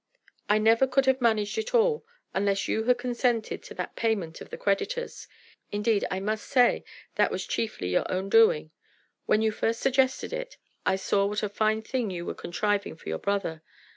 "I never could have managed it all unless you had consented to that payment of the creditors. Indeed, I must say, that was chiefly your own doing. When you first suggested it, I saw what a fine thing you were contriving for your brother.